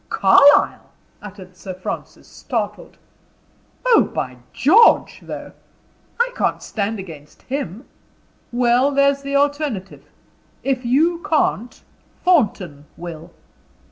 "Carlyle!" uttered Sir Francis, startled. "Oh, by George, though! I can't stand against him." "Well, there's the alternative. If you can't, Thornton will."